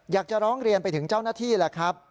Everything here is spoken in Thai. อยากจะร้องเรียนไปถึงเจ้าหน้าที่แหละครับ